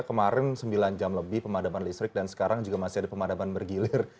kemarin sembilan jam lebih pemadaman listrik dan sekarang juga masih ada pemadaman bergilir